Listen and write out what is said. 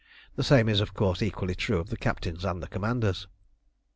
The same is, of course, equally true of the captains and the commanders.